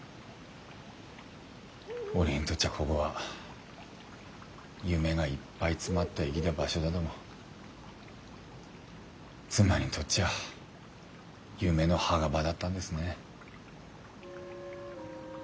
俺にとっちゃこごは夢がいっぱい詰まった生ぎだ場所だども妻にとっちゃ夢の墓場だったんですね。